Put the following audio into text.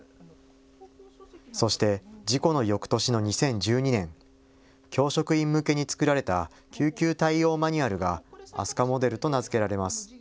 そして事故のよくとしの２０１２年、教職員向けに作られた救急対応マニュアルがＡＳＵＫＡモデルと名付けられます。